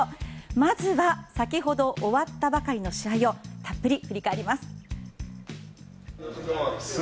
まずは、先ほど終わったばかりの試合をたっぷり振り返ります。